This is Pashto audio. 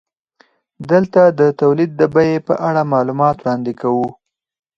دلته د تولید د بیې په اړه معلومات وړاندې کوو